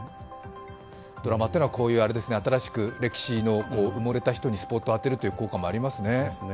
ドラマってのは、こういう新しく歴史の埋もれた人にスポットを当てるという効果もありますね。